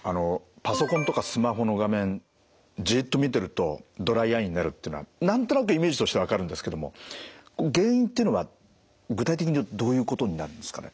パソコンとかスマホの画面じっと見てるとドライアイになるってのは何となくイメージとして分かるんですけども原因っていうのは具体的にはどういうことになるんですかね。